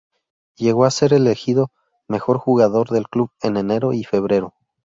Llegó a ser elegido mejor jugador del club en enero y febrero.